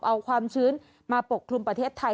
เอาความชื้นมาปกคลุมประเทศไทย